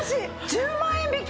１０万円引き！？